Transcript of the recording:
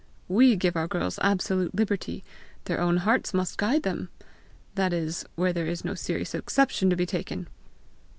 WE give our girls absolute liberty; their own hearts must guide them that is, where there is no serious exception to be taken.